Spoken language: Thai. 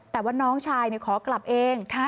แต่ว่าน้องชายขอกลับเอง